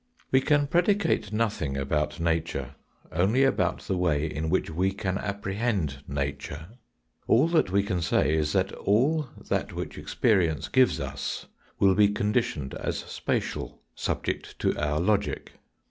We can predicate nothing about nature, only about the way in which we can apprehend nature. All that we can say is that all that which experience gives us will be con ditioned as spatial, subject to our logic.